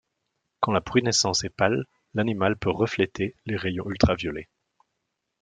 Quand la pruinescence est pâle, l'animal peut refléter les rayons ultra-violets.